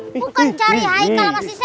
bukan cari haikal sama si cecil